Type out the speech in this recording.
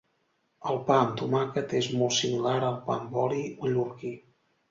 El pa amb tomàquet és molt similar al pa amb oli mallorquí.